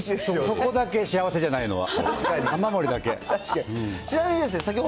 そこだけ幸せじゃないのは。